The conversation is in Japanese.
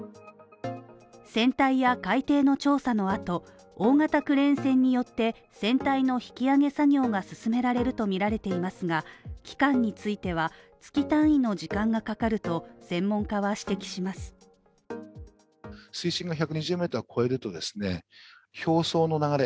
船体や海底の調査の後、大型クレーン船によって全体の引き揚げ作業が進められるとみられていますが、期間については月単位の時間がかかると専門家は指摘しますそうですね